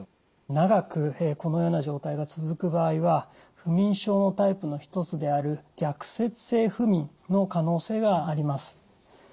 長くこのような状態が続く場合は不眠症のタイプの一つである逆説性不眠の可能性があります。